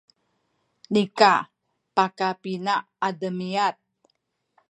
nika pakapina a demiad